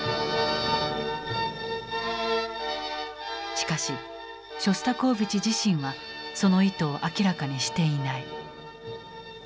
しかしショスタコーヴィチ自身はその意図を明らかにしていない。